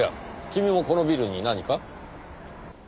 君もこのビルに何か？